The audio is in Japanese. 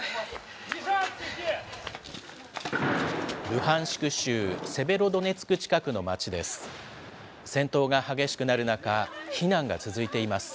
ルハンシク州セベロドネツク近くの街です。